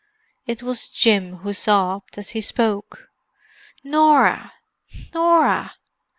It was Jim who sobbed as he spoke. "Norah! Norah!"